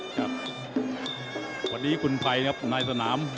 ครับวันนี้คุณไพรนะครับ